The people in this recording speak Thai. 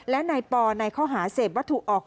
และนายปอในข้อหาเสพวัตถุออก